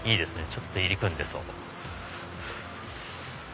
ちょっと入り組んでそう。